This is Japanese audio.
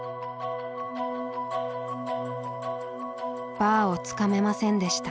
バーをつかめませんでした。